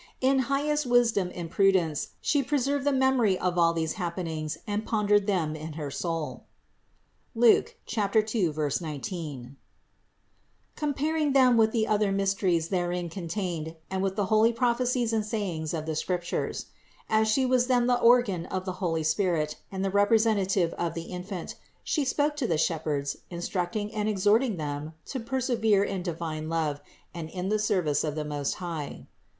In highest wisdom and prudence She pre served the memory of all these happenings and pondered them in her soul, (Luke 2, 19), comparing them with the other mysteries therein contained and with the holy prophecies and sayings of the Scriptures. As She was then the organ of the holy Spirit and the representative of the Infant, She spoke to the shepherds, instructing and exhorting them to persevere in divine love and in the service of the Most High.